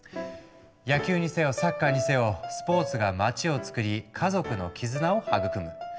野球にせよサッカーにせよスポーツが街をつくり家族の絆を育む。